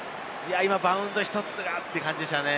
今、バウンド１つがという感じでしたね。